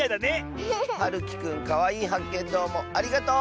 はるきくんかわいいはっけんどうもありがとう！